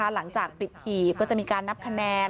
หลังจากปิดหีบก็จะมีการนับคะแนน